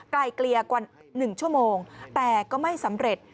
ไกลเกลียกว่า๑ชั่วโมงแต่ก็ไม่สำเร็จ